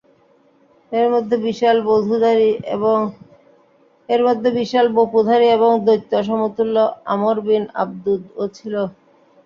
এর মধ্যে বিশাল বপুধারী এবং দৈত্য সমতুল্য আমর বিন আবদূদও ছিল।